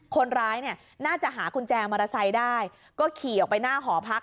คนร้ายเนี่ยน่าจะหากุญแจมอเตอร์ไซค์ได้ก็ขี่ออกไปหน้าหอพัก